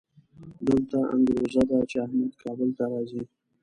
دلته انګروزه ده چې احمد کابل ته راځي.